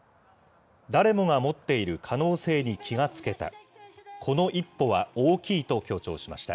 誰もが持っている可能性に気が付けた。